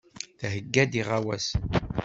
Theyya-d iɣawasen.